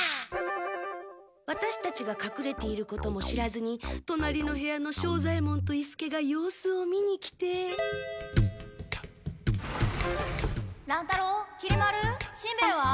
ワタシたちがかくれていることも知らずにとなりの部屋の庄左ヱ門と伊助が様子を見に来て。乱太郎きり丸しんべヱは？